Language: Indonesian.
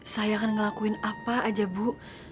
saya akan ngelakuin apa aja bu